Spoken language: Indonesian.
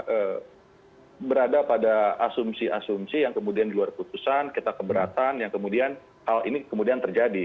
kemudian berada pada asumsi asumsi yang kemudian di luar putusan kita keberatan yang kemudian hal ini kemudian terjadi